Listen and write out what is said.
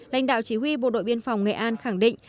lãnh đạo chỉ huy bộ đội biên phòng nghệ an khẳng định